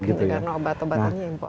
karena obat obatannya impor